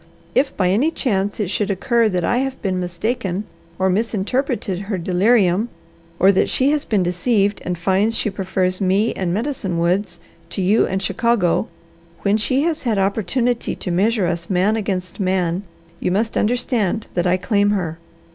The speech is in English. If by any chance it should occur that I have been mistaken or misinterpreted her delirium or that she has been deceived and finds she prefers me and Medicine Woods, to you and Chicago, when she has had opportunity to measure us man against man, you must understand that I claim her.